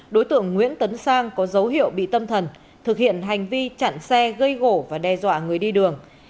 đối tượng nguyễn tấn sang có dấu hiệu bị tâm thần thực hiện hành vi chặn xe gây gổ và đe dọa người đi đường